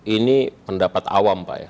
ini pendapat awam pak ya